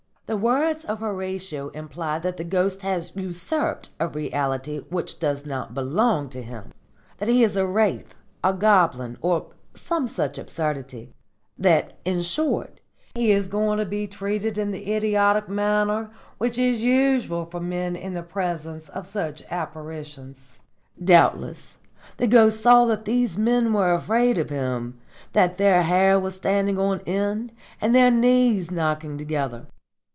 "The words of Horatio imply that the Ghost has usurped a reality which does not belong to him; that he is a wraith, a goblin, or some such absurdity that, in short, he is going to be treated in the idiotic manner which is usual with men in the presence of such apparitions. Doubtless the Ghost saw that these men were afraid of him, that their hair was standing on end and their knees knocking together.